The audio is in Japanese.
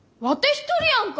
一人やんか！